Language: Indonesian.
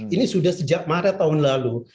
ini sudah sejak maret tahun lalu